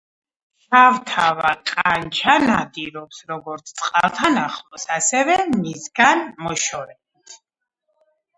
შავთავა ყანჩა ნადირობს როგორც წყალთან ახლოს, ასევე მისგან მოშორებით.